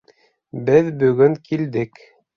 Беҙ бөгөн килдек